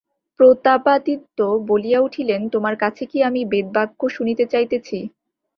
প্রতাপাদিত্য বলিয়া উঠিলেন, তোমার কাছে কি আমি বেদবাক্য শুনিতে চাহিতেছি?